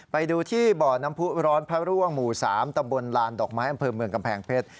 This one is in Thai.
ไปดูที่บ่อน้ำผู้ร้อนพระร่วงหมู่๓ตำบลลานดอกไม้อำเภอเมืองกำแพงเพชร